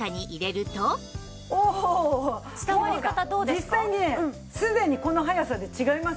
実際にね既にこの速さで違いますよ。